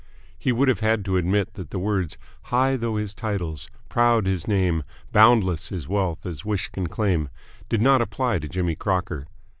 He would have had to admit that the words "High though his titles, proud his name, boundless his wealth as wish can claim" did not apply to Jimmy Crocker.